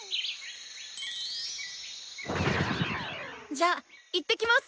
じゃあいってきます！